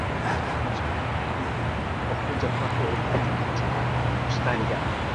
Mwanzo tunasoma utabiri wa kuja kwake ulianzia katika bustani ya